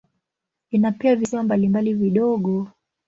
Ina pia visiwa mbalimbali vidogo.